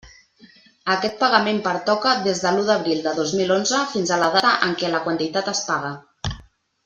Aquest pagament pertoca des de l'u d'abril de dos mil onze fins a la data en què la quantitat es pague.